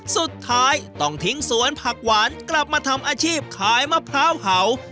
สุดท้ายต้องทิ้งสวนผักหวานกลับมาทำอาชีพขายมะพร้าวเห่า